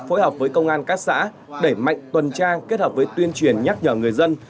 phối hợp với công an các xã đẩy mạnh tuần tra kết hợp với tuyên truyền nhắc nhở người dân